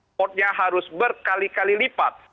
sportnya harus berkali kali lipat